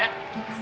ya pak haji